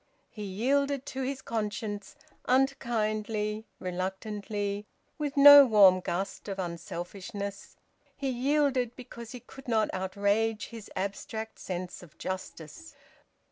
He yielded to his conscience unkindly, reluctantly, with no warm gust of unselfishness; he yielded because he could not outrage his abstract sense of justice.